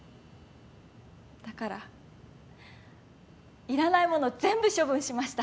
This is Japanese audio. だからいらないもの全部処分しました。